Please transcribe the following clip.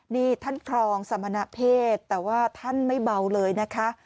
นี่ท่านครองสมณเพศแต่ว่าท่านไม่เบาเลยนะคะ